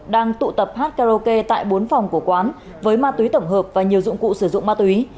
đang tụ tập hát karaoke tại bốn phòng của quán với ma túy tổng hợp và nhiều dụng cụ sử dụng ma túy